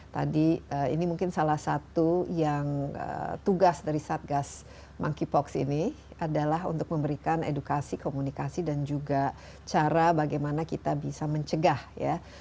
tadi ini mungkin salah satu yang tugas dari satgas monkeypox ini adalah untuk memberikan edukasi komunikasi dan juga cara bagaimana kita bisa mencegah ya